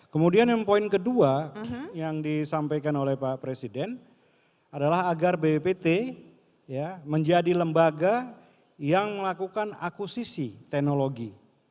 kemudian yang poin kedua yang disampaikan oleh pak presiden adalah agar bppt menjadi lembaga yang melakukan akusisi teknologi